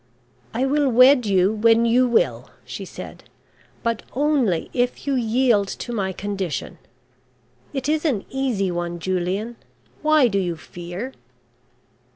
"I will wed you when you will," she said, "but only if you yield to my condition. It is an easy one, Julian. Why do you fear?"